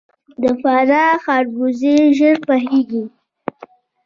د فراه خربوزې ژر پخیږي.